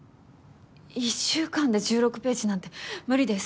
１週間で１６ページなんて無理です！